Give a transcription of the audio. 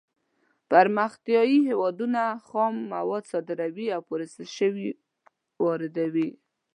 پرمختیايي هېوادونه خام مواد صادروي او پروسس شوي واردوي.